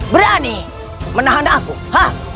berani menahan aku ha